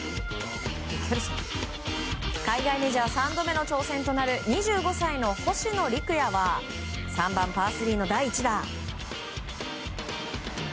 海外メジャー３度目の挑戦となる２５歳の星野陸也は３番、パー３の第１打。